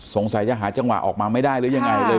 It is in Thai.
สงสัยจะหาจังหวะออกมาไม่ได้หรือยังไงเลย